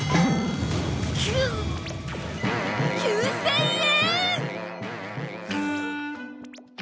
きゅ９０００円！？